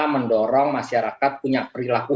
mendorong masyarakat punya perilaku